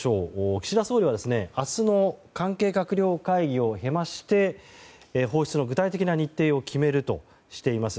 岸田総理は明日の関係閣僚会議を経まして放出の具体的な日程を決めるとしています。